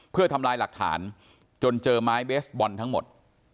เพื่อทำลายหลักฐานจนเจอไม้เบสบอลทั้งหมด